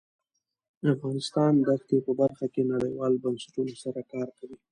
افغانستان د ښتې په برخه کې نړیوالو بنسټونو سره کار کوي.